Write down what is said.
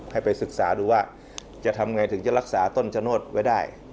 ให้ไปศึกษาดูว่าจะทำไงถึงจะรักษาต้นชะโนธไว้ได้